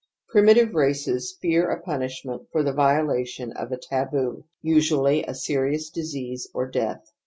Primitive races fear a punishment for the violation of a taboo, usually a serious disease or death.